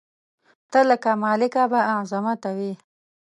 ته لکه مالکه بااعظمته وې